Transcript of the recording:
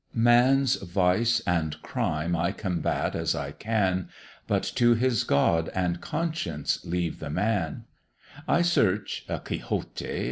Man's Vice and Crime I combat as I can, But to his GOD and conscience leave the Man; I search (a Quixote!)